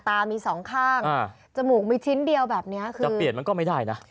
ตามีสองข้างจมูกมีชิ้นเดียวแบบนี้คือจะเปลี่ยนมันก็ไม่ได้นะ